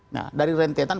nah dari rentetan